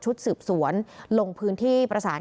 สืบสวนลงพื้นที่ประสาน